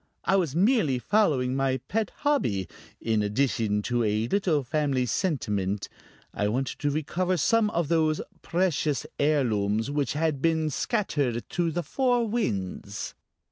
I was merely following my pet hobby, in addition to a little family sentiment. I wanted to recover some of those precious heirlooms which had been scattered to the four winds."